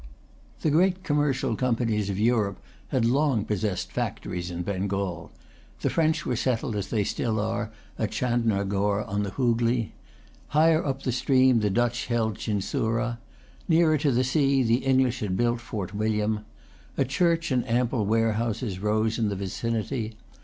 The great commercial companies of Europe had long possessed factories in Bengal. The French were settled, as they still are, at Chandernagore on the Hoogley. Higher up the stream the Dutch held Chinsurah. Nearer to the sea, the English had built Fort William. A church and ample warehouses rose in the vicinity.